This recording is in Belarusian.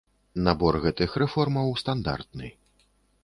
Набор гэтых рэформаў стандартны.